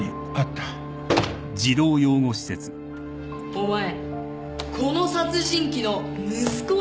お前この殺人鬼の息子なんだろ？